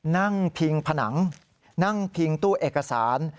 นั่งพิงผนังนั่งพิงตู้เอกสาร